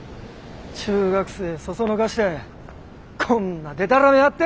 中学生そそのかしてこんなデタラメやって！